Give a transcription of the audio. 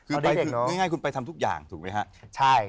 คือง่ายคุณไปทำทุกอย่างถูกไหมฮะ